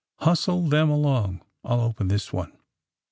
''Hustle them along. I'll open this one."